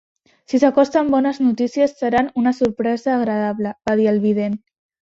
"Si s'acosten bones notícies, seran una sorpresa agradable", va dir el vident.